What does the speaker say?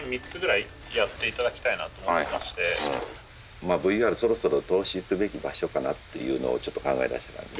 まあＶＲそろそろ投資すべき場所かなっていうのをちょっと考えだしてます。